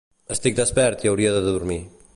Estic despert i hauria de dormir